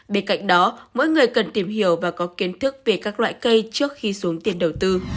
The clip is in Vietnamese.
bên cạnh đó mỗi người cần tìm hiểu và có kiến thức về các loại cây trước khi xuống tiền đầu tư